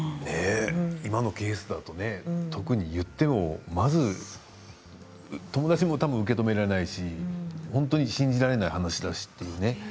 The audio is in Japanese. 今のケースだと特に言っても友達も受け止められないし本当に信じられない話だし。